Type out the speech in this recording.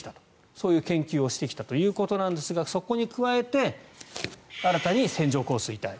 そういう研究をしてきたということなんですがそこに加えて新たに線状降水帯。